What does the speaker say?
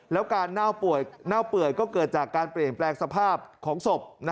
แล้วการเน่าเปื่อยก็เกิดจากการเปลี่ยนแปลงสภาพของศพ